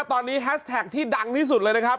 ตอนนี้แฮสแท็กที่ดังที่สุดเลยนะครับ